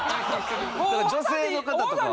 女性の方とか。